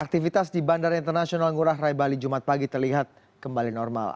aktivitas di bandara internasional ngurah rai bali jumat pagi terlihat kembali normal